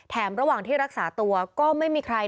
ระหว่างที่รักษาตัวก็ไม่มีใคร